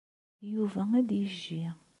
Yuba ad yejji.